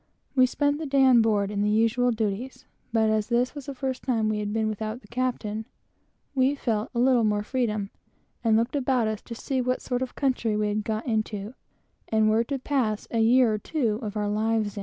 We spent the day on board in the usual avocations; but as this was the first time we had been without the captain, we felt a little more freedom, and looked about us to see what sort of a country we had got into, and were to spend a year or two of our lives in.